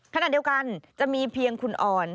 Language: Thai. ขณะเดียวกันจะมีเพียงคุณอ่อน